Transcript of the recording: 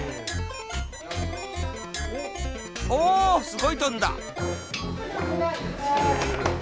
すごいとんだ。